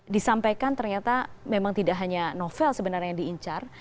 disampaikan ternyata memang tidak hanya novel sebenarnya yang diincar